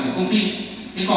chúng không phù xuyên được